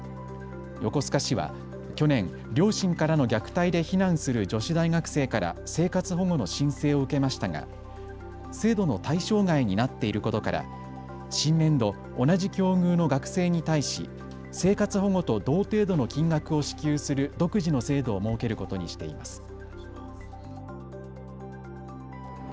横須賀市は去年、両親からの虐待で避難する女子大学生から生活保護の申請を受けましたが制度の対象外になっていることから新年度、同じ境遇の学生に対し生活保護と同程度の金額を支給する独自の制度を設けることにしています。